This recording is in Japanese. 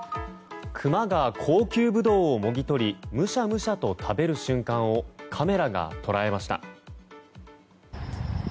クマが高級ブドウをもぎ取りムシャムシャと食べる瞬間をカメラが捉えました。